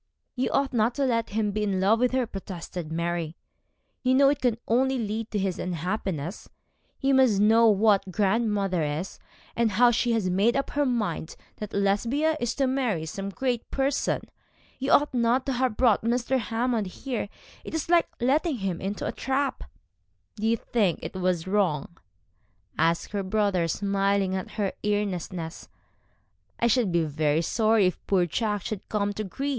'You ought not to let him be in love with her,' protested Mary. 'You know it can only lead to his unhappiness. You must know what grandmother is, and how she has made up her mind that Lesbia is to marry some great person. You ought not to have brought Mr. Hammond here. It is like letting him into a trap.' 'Do you think it was wrong?' asked her brother, smiling at her earnestness. 'I should be very sorry if poor Jack should come to grief.